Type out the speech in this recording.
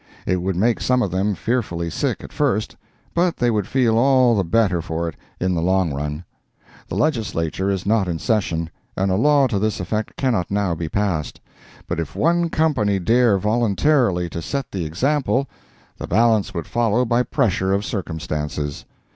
It would make some of them fearfully sick at first, but they would feel all the better for it in the long run. The Legislature is not in session, and a law to this effect cannot now be passed; but if one company dare voluntarily to set the example, the balance would follow by pressure of circumstances.